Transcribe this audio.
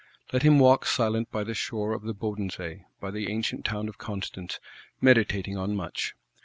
Let him walk silent by the shore of the Bodensee, by the ancient town of Constance; meditating on much.